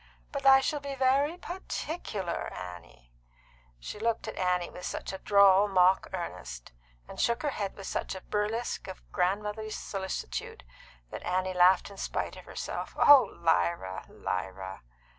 But I shall be very particular, Annie." She looked at Annie with such a droll mock earnest, and shook her head with such a burlesque of grandmotherly solicitude, that Annie laughed in spite of herself. "Oh, Lyra, Lyra!"